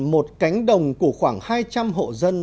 một cánh đồng của khoảng hai trăm linh hộ dân